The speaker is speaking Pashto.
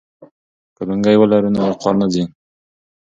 که لونګۍ ولرو نو وقار نه ځي.